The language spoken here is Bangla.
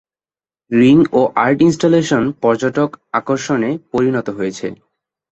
রিং ও আর্ট ইনস্টলেশন পর্যটক আকর্ষণে পরিণত হয়েছে।